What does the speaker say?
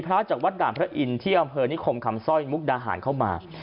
ลุงพลเฮ้ยทำบุญบ้างนะ